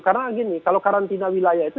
karena gini kalau karantina wilayah itu